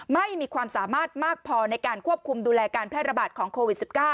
ไม่มีความสามารถมากพอในการควบคุมดูแลการแพร่ระบาดของโควิด๑๙